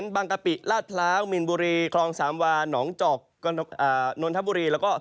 กะปิลาดพร้าวมีนบุรีคลองสามวาหนองจอกนนทบุรีแล้วก็